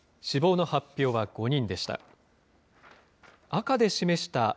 死亡の発表は５人でした。